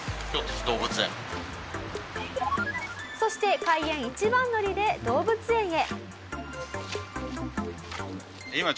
そして開園一番乗りで動物園へ。